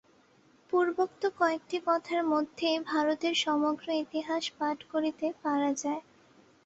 পূর্বোক্ত কয়েকটি কথার মধ্যেই ভারতের সমগ্র ইতিহাস পাঠ করিতে পারা যায়।